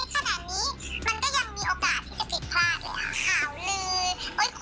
ที่คุณไม่ได้ตั้งใจจะไปทำร้ายใครอะไรอย่างนี้